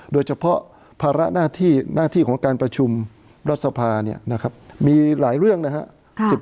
โดยเฉพาะภาระหน้าที่ของการประชุมรัฐสภาเนี่ยนะครับมีหลายเรื่องนะครับ